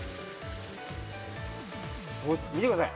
見てください。